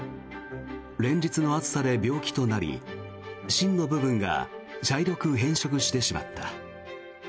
連日の暑さで病気となり芯の部分が茶色く変色してしまった。